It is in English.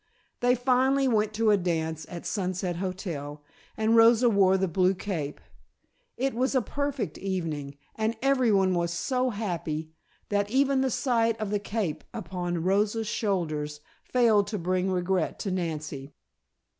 They finally went to a dance at Sunset Hotel, and Rosa wore the blue cape. It was a perfect evening and everyone was so happy that even the sight of the cape upon Rosa's shoulders failed to bring regret to Nancy.